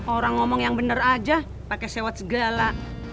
orang ngomong yang bener aja pake sewat segala